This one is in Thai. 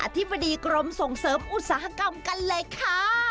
ธิบดีกรมส่งเสริมอุตสาหกรรมกันเลยค่ะ